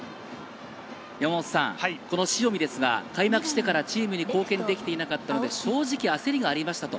この塩見ですが、開幕してからチームに貢献できていなかったので、正直焦りがありましたと。